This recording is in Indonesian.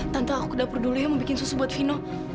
tanpa aku ke dapur dulu ya mau bikin susu buat vino